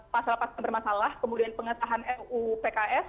pasal pasal bermasalah kemudian pengesahan ru pks